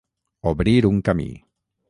Obrir un camí.